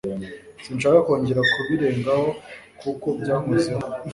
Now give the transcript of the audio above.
Sinshaka kongera kubirengaho kuko byankozeho.